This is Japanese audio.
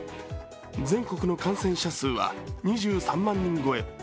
全国の感染者数は２３万人超え。